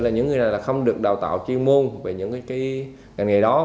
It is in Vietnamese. những người này không được đào tạo chuyên môn về những ngày đó